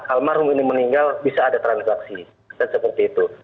almarhum ini meninggal bisa ada transaksi dan seperti itu